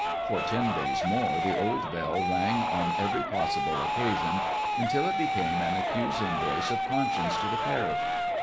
For ten days more the old bell rang on every possible occasion, until it became an accusing voice of conscience to the parish.